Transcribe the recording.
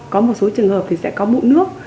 có một số trường hợp thì sẽ có bụng nước